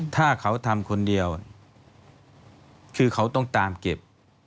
ถ้าเขาทำคนเดียวคือเขาต้องตามเก็บ